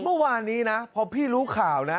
เมื่อวานนี้นะพอพี่รู้ข่าวนะ